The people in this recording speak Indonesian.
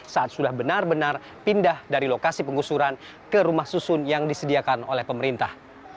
saat sudah benar benar pindah dari lokasi pengusuran ke rumah susun yang disediakan oleh pemerintah